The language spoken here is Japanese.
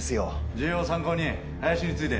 重要参考人林について。